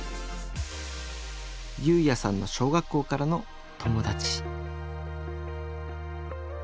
侑弥さんの小学校からの友達。